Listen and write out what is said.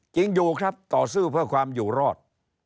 จริงอยู่ครับต่อสู้เพื่อความอยู่รอด